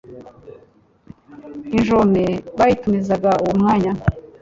Injome bayitumiza uwo mwanya